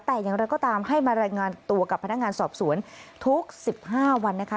แต่อย่างไรก็ตามให้มารายงานตัวกับพนักงานสอบสวนทุก๑๕วันนะคะ